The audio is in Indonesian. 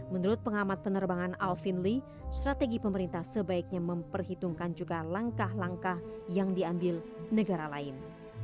menurut pengamat penerbangan alvin lee strategi pemerintah sebaiknya memperhitungkan juga langkah langkah yang diambil negara lain